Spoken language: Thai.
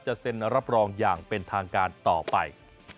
เซ็นรับรองอย่างเป็นทางการต่อไป